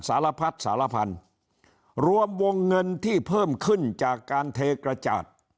สารพัดสารพันธุ์รวมวงเงินที่เพิ่มขึ้นจากการเทกระจาด